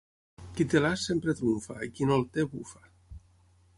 Qui té l'as sempre trumfa i qui no el té bufa.